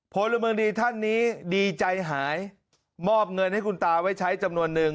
พลเมืองดีท่านนี้ดีใจหายมอบเงินให้คุณตาไว้ใช้จำนวนนึง